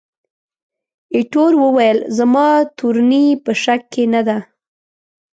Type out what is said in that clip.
ایټور وویل، زما تورني په شک کې نه ده.